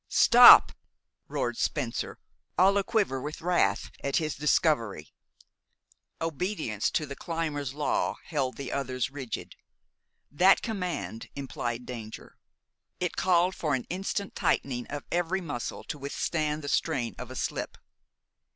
"Stop!" roared Spencer, all a quiver with wrath at his discovery. Obedience to the climbers' law held the others rigid. That command implied danger. It called for an instant tightening of every muscle to withstand the strain of a slip.